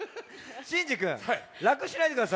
シンジくんらくしないでください。